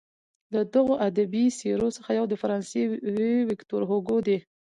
له دغو ادبي څیرو څخه یو د فرانسې ویکتور هوګو دی.